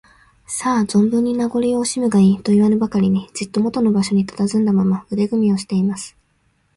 「さあ、ぞんぶんに名ごりをおしむがいい」といわぬばかりに、じっともとの場所にたたずんだまま、腕組みをしています。